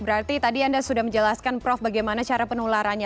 berarti tadi anda sudah menjelaskan prof bagaimana cara penularannya